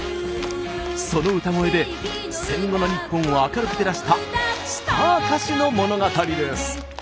その歌声で戦後の日本を明るく照らしたスター歌手の物語です。